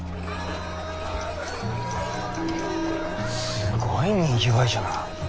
すごいにぎわいじゃな。